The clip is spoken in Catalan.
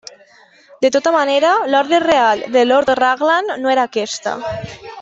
De tota manera, l'ordre real de Lord Raglan no era aquesta.